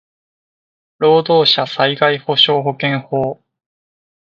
労働者災害補償保険法